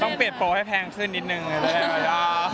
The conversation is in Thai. ต้องเปลี่ยนโปรให้แพงขึ้นนิดนึง